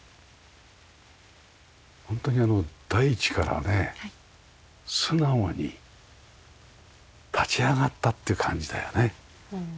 ホントに大地からね素直に立ち上がったって感じだよね。